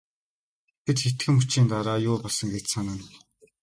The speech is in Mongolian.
Тэгтэл хэдхэн мөчийн дараа юу болсон гэж санана.